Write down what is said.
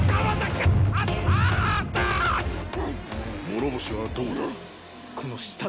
諸星はどこだ？